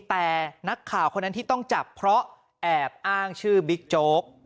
แต่นักข่าวคนนั้นที่ต้องจับเพราะแอบอ้างชื่อบิ๊กโจ๊ก